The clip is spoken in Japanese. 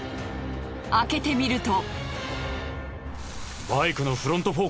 開けてみると。